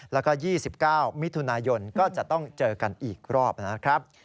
แล้วก็๒๙มิถุนายนก็จะต้องเจอกันอีกรอบนะครับ